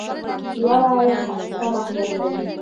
لوړ عاید کم اهميت لري.